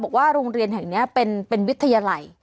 โรงเรียนแห่งนี้เป็นวิทยาลัย